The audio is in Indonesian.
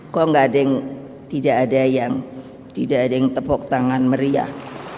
kok tidak ada yang tepuk tangan meriah